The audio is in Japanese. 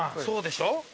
そうでしょ？